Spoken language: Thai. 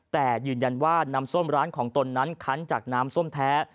แต่ยืนยันว่าน้ำส้มร้านของตนนั้นคันจากน้ำส้มแท้